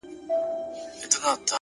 د تورو شپو سپين څراغونه مړه ســول؛